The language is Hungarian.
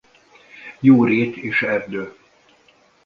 Jó rét és erdő.